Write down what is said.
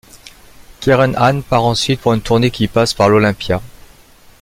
Keren Ann part ensuite pour une tournée qui passe par L'Olympia.